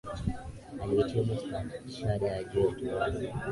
Alihitimu stashahada ya juu ya Utawala